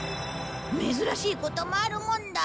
珍しいこともあるもんだ。